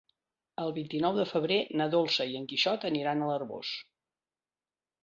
El vint-i-nou de febrer na Dolça i en Quixot aniran a l'Arboç.